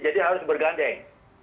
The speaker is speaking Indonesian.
jadi harus bergandeng